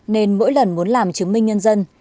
nên mỗi lần muốn làm chứng minh nhân dân